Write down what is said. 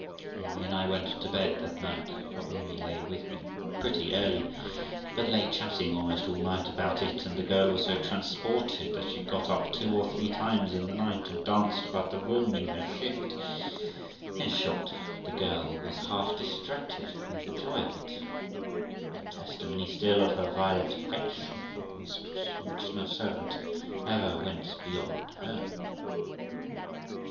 Amy and I went to bed that night (for Amy lay with me) pretty early, but lay chatting almost all night about it, and the girl was so transported that she got up two or three times in the night and danced about the room in her shift; in short, the girl was half distracted with the joy of it; a testimony still of her violent affection for her mistress, in which no servant ever went beyond her.